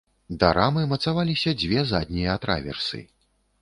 Да рамы мацаваліся дзве заднія траверсы.